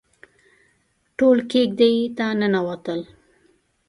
ټول کېږدۍ ته ننوتل.